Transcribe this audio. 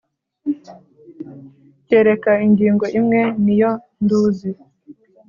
Kereka ingingo imwe niyo nduzi